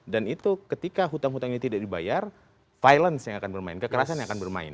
dan itu ketika hutang hutang ini tidak dibayar violence yang akan bermain kekerasan yang akan bermain